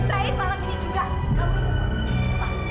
kita selesaiin malam ini juga